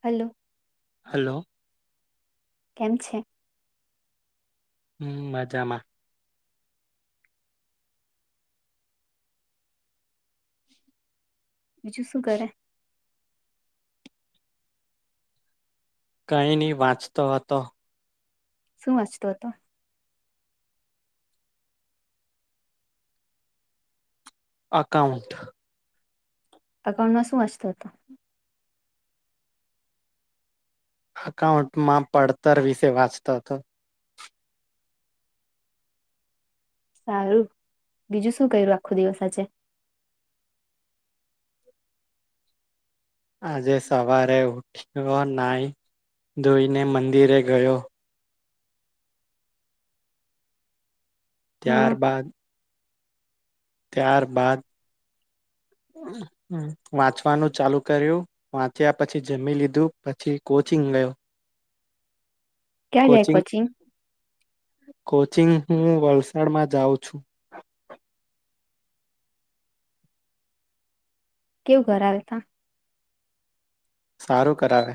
Hello hello કેમ છે હમ મજામાં બીજું શું કરે કંઈ નહી વાંચતો હતો શું વાંચતો હતો એકાઉન્ટ અકાઉન્ટમાં શું વાંચતો હતો અકાઉન્ટમાં પડતર વિશે વાંચતો હતો સારું બીજું શું કર્યું આખો દિવસ આજે આજે સવારે ઉઠ્યો નાઈ ધોઈ મંદિરે ગયો હમ ત્યાર બાાદ ત્યાર બાદ વાંચવાનું ચાલુ કર્યું વાંચ્યા પછી જમી લીધું પછી કોચિંગ ગયો ક્યાં જાય કોચિંગ કોચિંગ હું વલસાડમાં જાઉં છું કેવું ઘર આવે તા સારું કરાવે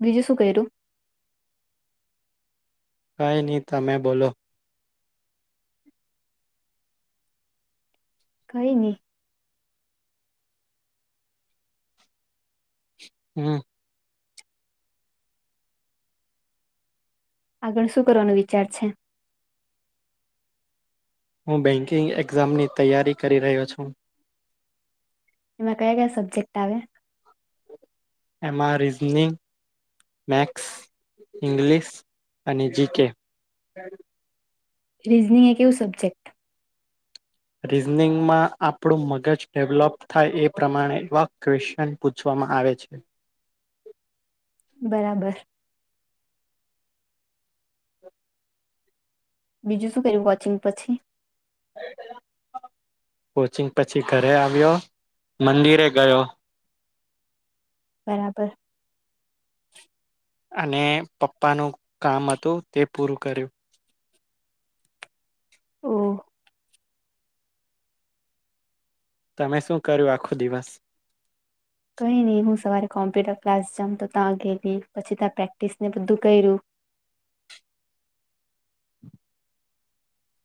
બીજું શું કર્યું કાંઈ નહી તમે બોલો કઈ નહી હમ આગળ શું કરવાનો વિચાર છે હું બેન્કિંગ એક્ઝામની તૈયારી કરી રહ્યો છું એમાં કયા કયા સબ્જેક્ટ આવે એમાં રિઝનિ મેથ્સ ઇંગ્લિશ અને જીકે રીઝનિંગ એ એવું સબ્જેક્ટ રીઝનિંગમાં આપણું મગજ ડેવલોપ થાય એ પ્રમાણે એવા ક્વેશ્ચન પૂછવા માં આવે છે બરાબર બીજુ શું કર્યું વોચિંગ પછી કોચિંગ પછી ઘરે આવ્યો મંદિરે ગયો બરાબર અને પપ્પાનું કામ હતું તે પૂરું કર્યું ઓ તમે શું કર્યું આખો દિવસ કઈ નહી હું સવારે કોમ્પ્યુટર ક્લાસ જવિ તો ત્યાં ગેલી પછી ત્યાં પ્રેક્ટિસ ને બધું કર્યું [inaudible]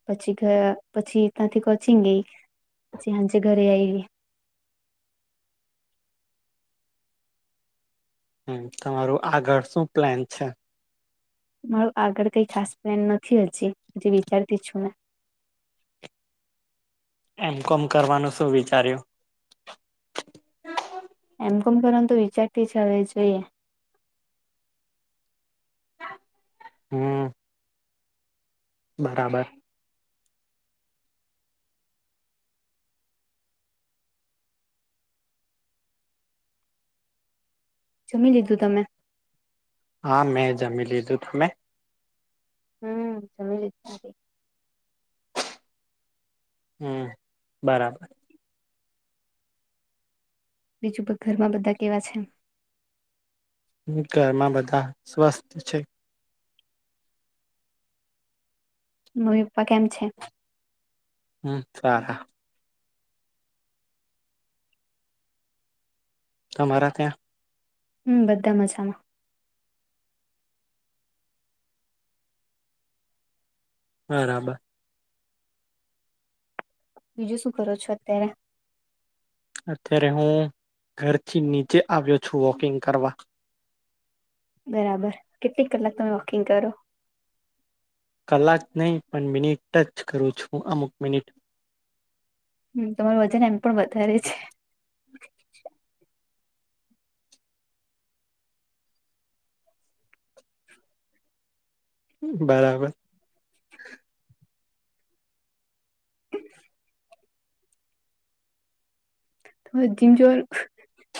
પછી ઘ પછી ત્યાંથી કોચિંગ ગઈ જે આંજે ઘરે આવી [inaudible] હમ તમારું આગળ શું પ્લાન છે મારું આગળ કઈ ખાસ પ્લેન નથી હજી હજ વિચારતી છું મે [inaudible] એમ કોમ કરવાનું શું વિચાર્યું એમ કોમ કરવા તો વિચાર તો છે હમ [inaudible] બરાબર જમી લીધું તમે હા મેં જમી લીધું તમે હમ સમ રીતના [inaudible] હમ બરાબર બીજું ઘરમાં બધા કેવા છે ઘરમાં બધા સ્વસ્થ છે મમ્મી પપ્પા કેમ છે હમ સારા તમારા ત્યા હમ બધા મજામાં બરાબર બીજું શું કરો છો અત્યારે અત્યારે હું ઘરથી નીચે આવ્યો છું વોકિંગ કરવા બરાબર કેટલી કલાક તમે વોકિંગ કરો કલાક નહીં પણ મિનિટ ટચ કરું છું અમુક મિનિટ હમ તમારું વજન એમ પણ વધારે છે બરાબર [inaudible]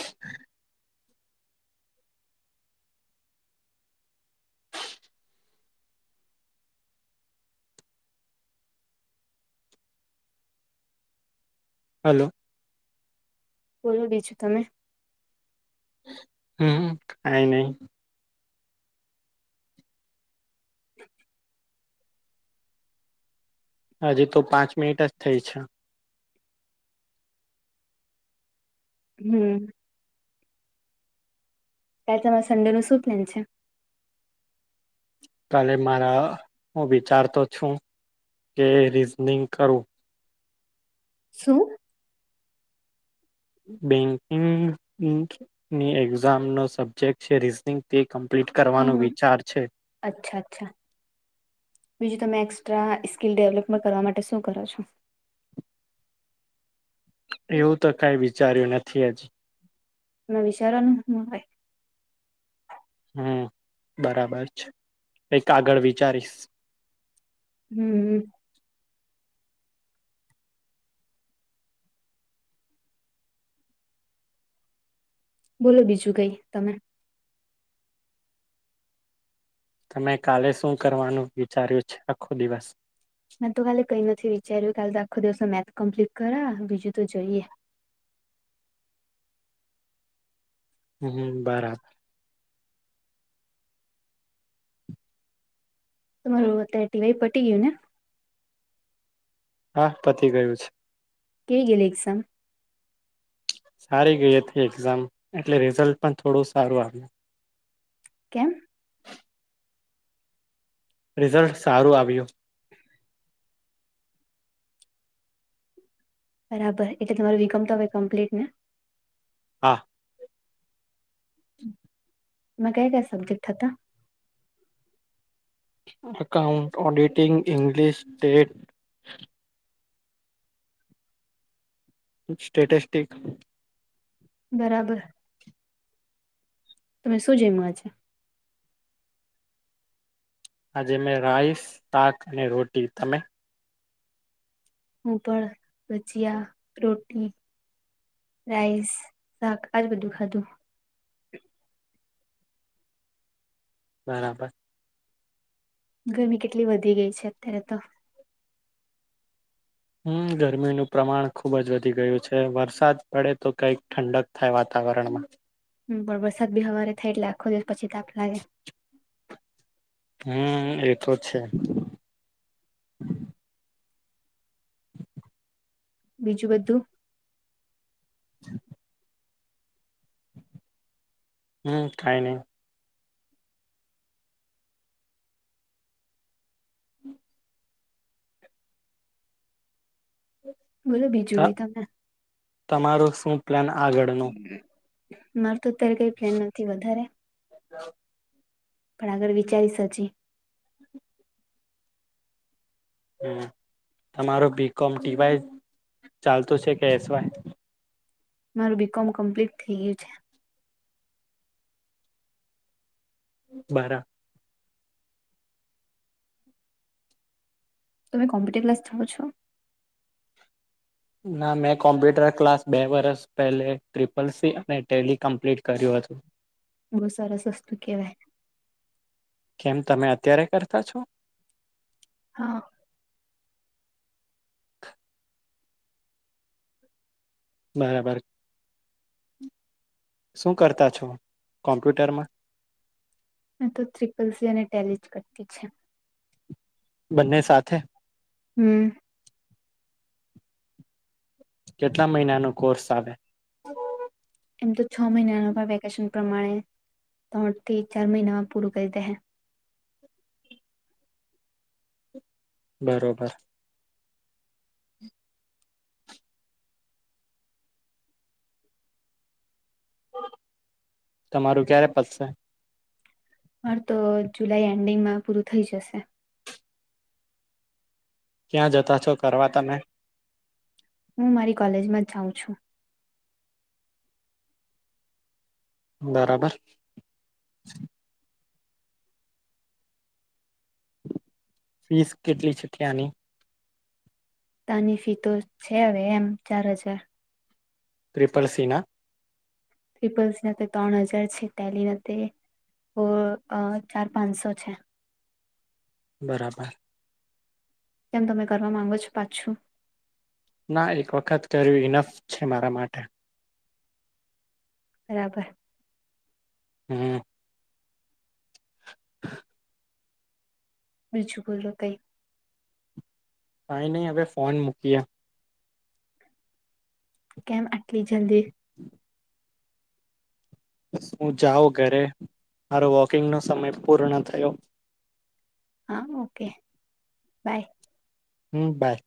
હલો બોલો બીજું તમે હમ કઈ નહી [inaudible] હજી તો પાંચ મિનિટ જ થઈ છે હમ તમારે સંડે નું શું પ્લેન છે કાલે મારા હું વિચારતો છું કે રીઝનિંગ કરું શું બેંકિંગની એક્ઝામ નો સબ્જેક્ટ છે રીઝનિંગ તે કમ્પ્લીટ કરવાનો હમ વિચાર છે અચ્છા અચ્છા સ્કીિલ ડેવલપમેન્ટ કરવા માટે શું કરો છો એવું તો કઈ વિચાર્યું નથી આજ મે વિચારવાનું હમ બરાબર છે એક આગળ વિચારીશ હમ હ બોલો બીજું કઈ તમે તમે કાલે શું કરવાનું વિચાર્યું છે આખો દિવસ મેં ત હાલે કઈ નથી વિચાર્યું કાલ તો આખો દિવસો મેથ કમ્પ્લીટ કરા બીજું તો જોઈએ હ હ બરાબર તમારું અત્યારે ટિવાય પટી ગયું ને હા પતી ગયું છે કે ગિલે એક્ઝામ સારી ગઈ હતી એક્ઝામ એટલે રિઝલ્ટ પણ થોડું સારું આ કેમ રિઝલ્ટ સારું આવ્યું બરાબર એટલે તમારો વિગમ તો હવે કમ્પ્લીટ ને હા એમાં કયા કયા સબ્જેક્ટ હતા અકાઉન્ટન્ટ ઓડિટીગ ઇંગ્લિશ ટેટ સ્ટેટસ્ટસ્ટિક બરાબર તમે શું જેમ આજે આજે મેં રાઈસ શાક અને રોટી તમે હું પણ ભજીિયા, રોટી, રાઈસ, શાક, આજ બધું ખાધું બરાબર. ગરમી કેટલી વધી ગઈ છે, અત્યારે તો હમ ગરમીનું પ્રમાણ ખુબ જ વધી ગયું છે, વરસાદ પડે તો કઈક ઠંડક થાય વાતા વરણમાં. પણ વરસાદ બી હવારે થાય એટલે આખો દિવસ પછી તાપ લાગે હમ એતો છે. બીજું બધું હમ કાઈ ની બોલો ત બીજું કઈ તમે તમારું શું પ્લાન આગળનો? મારે તો અત્યારે કઈ પ્લેન નથી વધારે પણ આગળ વિચારીશ અજી હમ તમારો બીકોમ ટી વાય ચાલતું છે, કે એસ વાય મારું બીકોમ કમ્પ્લીટ થઈ ગયું છે. બરા તમે કોમ્પીટર ક્લાસ જાઓ છો? ના મેં કોમ્પ્યુટર ક્લાસ બે વર્ષ પહેલે ટ્રિપલ સી અને ટેઈ કમ્પ્લીટ કર્યું હ તું. બો સરસ વસ્તું કેવાય ક્યારે કરતા છો? હા. બરાબર. શું કરતા છો કોમ્પ્યુટરમાં? મે તો ત્રિપલ સી અને ટેલી જ કરતી છેસ બંને સાથે હમ. કેટલા મહિનાનો કોર્સ આવે એમ તો છ મહિનાનો આ વેકેશન પ્રમાણે ત્રણથી ચાર મહિનામાં પૂરું કરી દેહે બરોબર. તમારું ક્યારે પતશે? માર તો જુલાઈ એન્ડિંગમાં પૂરું થઈ જશે ક્યાં જતા છો કરવા તમે? હું મારી કોલેજમાં જ જાઉં છું. બરાબર. ફીસ કેટલી છે ત્યાની? તાની ફી તો છે, હવે એમ ચાર હજાર ટ્રિપલ સી ના ત્રિપલ સી હાથે ત્રણ હજાર છે, ટેલીના તે ઓ અ ચાર પાંચસો છે. બરાબર. કેમ તમે કરવા માંગો છો પાછું? ના એક વખત કર્યું ઈનફ છે, મારા માટે બરાબર. હમ્મ. [inaudible] બીજું બોલો કંઈ કાઈ નહી હવે ફોન મૂક્યા. કેમ આટલી જલ્દી? બસ હું જાઉ ઘરે મારો વોકિંગનો સમય પૂર્ણ થયો. હા ઓકે બાય. Hmm by.